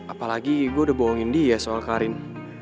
apalagi gue udah bohongin dia soal karin